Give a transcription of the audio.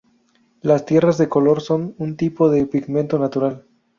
Las tierras de color son un tipo de pigmento natural.